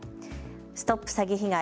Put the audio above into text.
ＳＴＯＰ詐欺被害！